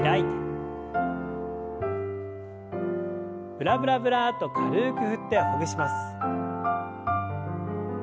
ブラブラブラッと軽く振ってほぐします。